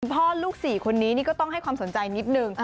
พ่อลูก๔คนนี้นี่ก็ต้องให้ความสนใจนิดนึง